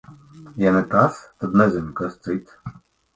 Ja ne tas, tad nezinu, kas cits.